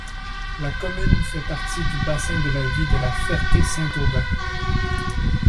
La commune fait partie du bassin de vie de La Ferté-Saint-Aubin.